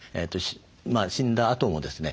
死んだあともですね